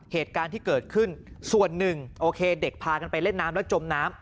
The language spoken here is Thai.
เหตุการณ์ที่เกิดขึ้นส่วนหนึ่งโอเคเด็กพากันไปเล่นน้ำแล้วจมน้ำ